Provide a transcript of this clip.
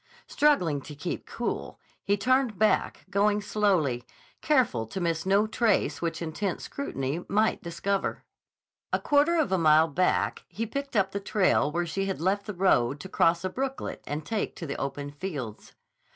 Struggling to keep cool, he turned back, going slowly, careful to miss no trace which intent scrutiny might discover. A quarter of a mile back he picked up the trail where she had left the road to cross a brooklet and take to the open fields.